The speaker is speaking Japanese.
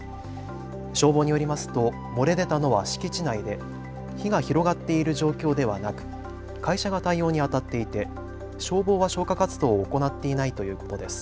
消防によりますと漏れ出たのは敷地内で火が広がっている状況ではなく会社が対応にあたっていて消防は消火活動を行っていないということです。